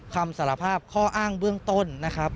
คำสารภาพข้ออ้างเบื้องต้นนะครับ